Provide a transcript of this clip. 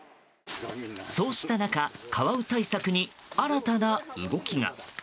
そうした中カワウ対策に新たな動きが。